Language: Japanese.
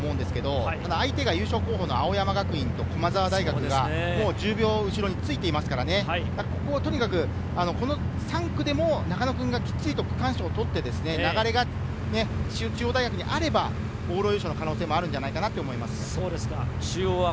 流れは今、中央大学に来ていると思うんですけど、相手が優勝候補の青山学院大学と駒澤大学、１０秒後ろについていますから、ここをとにかく、この３区でも中野君がきっちりと区間賞を取って流れが中央大学にあれば、往路優勝の可能性もあるんじゃないかと思います。